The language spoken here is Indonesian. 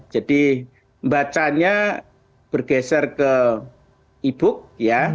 jadi bacanya bergeser ke e book ya